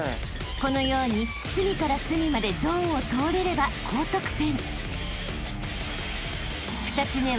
［このように隅から隅までゾーンを通れれば高得点］